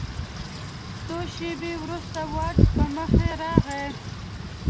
څو شیبې وروسته واټ په مخه راغی.